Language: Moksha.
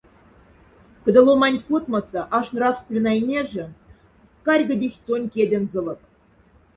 Кда ломанть потмоса аш нравственнай неже, карьгодихть сонь кядензовок.